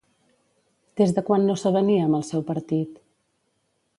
Des de quan no s'avenia amb el seu partit?